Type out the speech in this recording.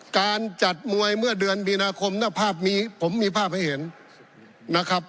การจัดมวยเมื่อเดือนมีนาคมผมมีภาพให้เห็น